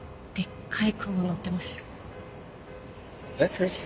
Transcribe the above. それじゃ。